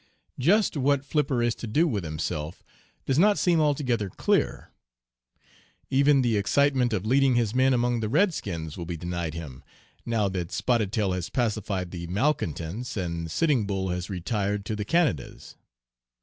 Just what Flipper is to do with himself does not seem altogether clear. Even the excitement of leading his men among the redskins will be denied him, now that Spotted Tail has pacified the malcontents and Sitting Bull has retired to the Canadas.